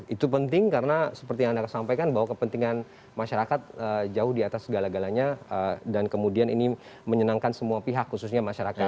itu penting karena seperti yang anda sampaikan bahwa kepentingan masyarakat jauh di atas segala galanya dan kemudian ini menyenangkan semua pihak khususnya masyarakat